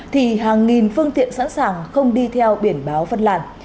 thì hàng nghìn phương tiện sẵn sàng không đi theo biển báo phân làn